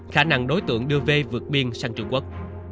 khả năng đối tượng đưa v vượt biên sang trung quốc